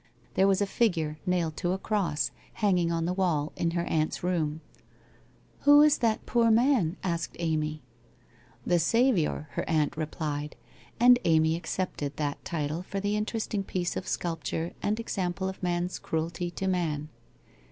There was a figure nailed to a cross hanging on the wall in her aunt's room; ' Who is that poor man ?' asked Amy. ' The Saviour,' her aunt replied, and Amy accepted that title for the interesting piece of sculpture and ex ample of man's cruelty to man.